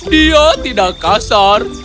dia tidak kasar